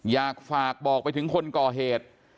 อยากฝากบอกไปถึงคนก่อเหตุ